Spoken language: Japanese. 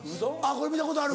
これ見たことある？